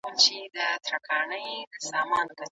سره نښه کوم ناروغ ته ورکول کیږي؟